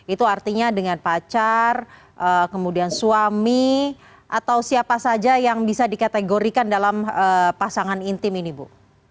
itu artinya dengan pacar kemudian suami atau siapa saja yang bisa dikategorikan dalam pasangan intim ini bu